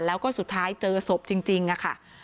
แล้วก็สุดท้ายเจอศพจริงค่ะ